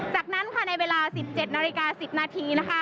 จากนั้นในเวลา๑๗นาฬิกา๑๐นาที